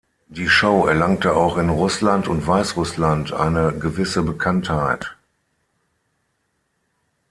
Die Show erlangte auch in Russland und Weißrussland eine gewisse Bekanntheit.